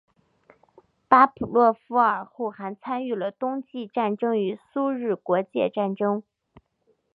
巴甫洛夫尔后还参与了冬季战争与苏日国界战争。